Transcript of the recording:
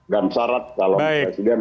dan syarat kalau presiden